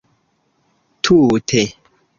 tute